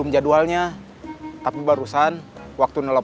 zial yang ny superior